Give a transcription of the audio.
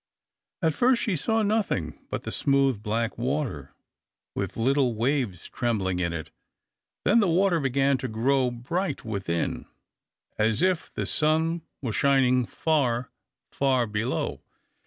At first she saw nothing but the smooth black water, with little waves trembling in it. Then the water began to grow bright within, as if the sun was shining far, far below.